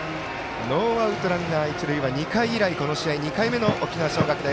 ノーアウト、ランナー、一塁は２回以来この試合、２回目以来の沖縄尚学。